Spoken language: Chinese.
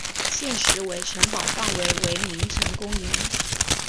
现时为城堡范围为名城公园。